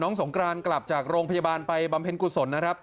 สงกรานกลับจากโรงพยาบาลไปบำเพ็ญกุศลนะครับ